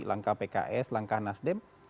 langkah pks langkah nasdem